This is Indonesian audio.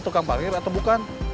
tukang parkir atau bukan